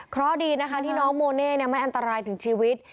เพราะดีนะคะที่น้องโมเน่ไม่อันตรายถึงชีวิต